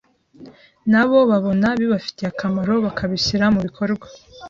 nabo babona bibafitiye akamaro bakabishyira mu bikorwa.